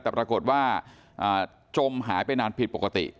แต่ปรากฏว่าจมหายไปนานผิดปกติ